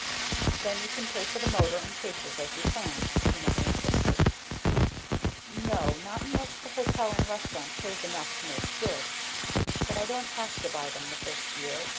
"Then you can't pay for the motor and cases as you planned," her mother insisted. "No, not unless the hotel and restaurant pays enough to make good. But I don't have to buy them the first year.